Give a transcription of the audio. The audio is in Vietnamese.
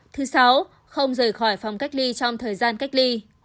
thứ sáu không rời khỏi phòng cách ly trong thời gian cách ly